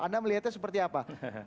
anda melihatnya seperti apa